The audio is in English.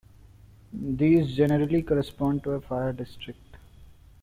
These generally correspond to a fire district.